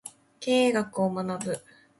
経営学を学ぶ